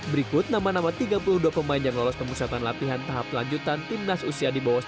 berikut nama nama tiga puluh dua pemain yang lolos pemusatan latihan tahap lanjutan timnas usia di bawah sembilan belas